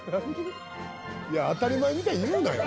いや当たり前みたいに言うなよ。